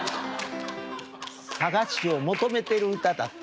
佐賀市を求めてる歌だった。